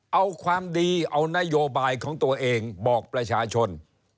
เอาความดีเอานโยบายของตัวเองบอกประชาชน